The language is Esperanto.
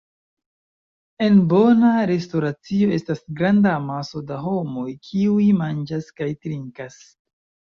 En bona restoracio estas granda amaso da homoj, kiuj manĝas kaj trinkas.